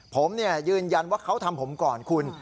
ผมยืนยันว่าเขาทำผมก่อนคุณ